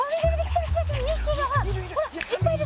いっぱいいる。